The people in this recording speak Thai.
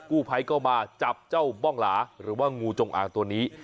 กู้ภัยก็มาจับเจ้าบ้องหลาหรือว่างูจงอางตัวนี้